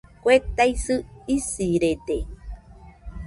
Kue taisɨ isirede